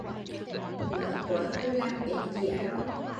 Lớ quớ tui làm bể dĩa rồi